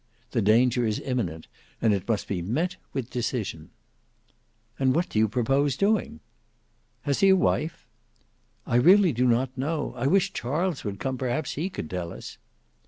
The danger is imminent, it must be met with decision." "And what do you propose doing?" "Has he a wife?" "I really do not know. I wish Charles would come, perhaps he could tell us."